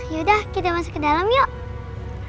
yaudah kita masuk ke dalam yuk